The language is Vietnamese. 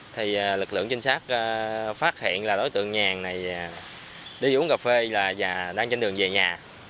thì lực lượng trinh sát phát hiện là đối tượng nhàn này đi uống cà phê là và đang trên đường về nhà